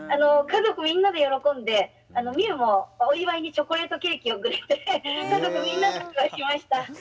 家族みんなで喜んで美宇もお祝いにチョコレートケーキをくれて家族みんなでお祝いしました。